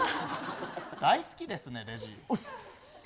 大好きですね、レジ。